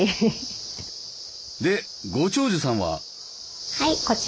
でご長寿さんは？